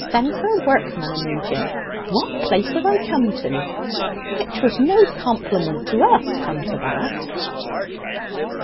Send for a workman immediate. What place have I come to!' Which was no compliment to us, come to that."